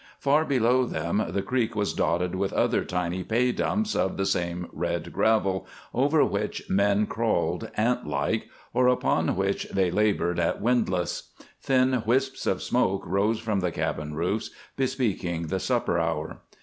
Far below them the creek was dotted with other tiny pay dumps of the same red gravel over which men crawled, antlike, or upon which they labored at windlass. Thin wisps of smoke rose from the cabin roofs, bespeaking the supper hour.